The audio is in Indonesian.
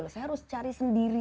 saya harus cari sendiri